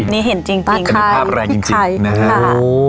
นี่เห็นจริงค่ะไอ้ไข่ค่ะป้าขนาดภาพแรงจริงนะฮะโอ้โห